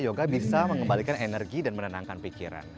yoga bisa mengembalikan energi dan menenangkan pikiran